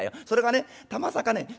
それがねたまさかね